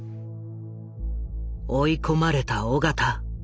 追い込まれた緒方。